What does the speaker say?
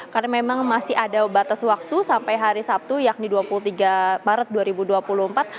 karena memang masih ada batas waktu sampai hari sabtu yakni dua puluh tiga maret dua ribu dua puluh empat